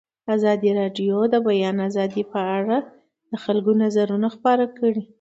ازادي راډیو د د بیان آزادي په اړه د خلکو نظرونه خپاره کړي.